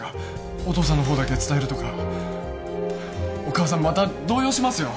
お父さんの方にだけ伝えるとかお母さんまた動揺しますよ